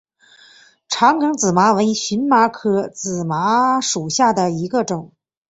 长梗紫麻为荨麻科紫麻属下的一个种。